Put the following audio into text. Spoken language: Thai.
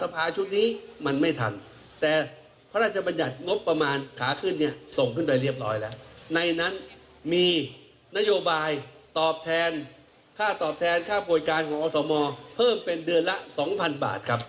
เพิ่มเป็นเดือนละ๒๐๐๐บาทครับ